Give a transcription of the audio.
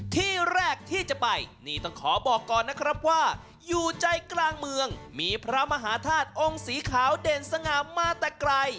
ที่แรกที่จะไปนี่ต้องขอบอกก่อนนะครับว่าอยู่ใจกลางเมืองมีพระมหาธาตุองค์สีขาวเด่นสง่ามาแต่ไกล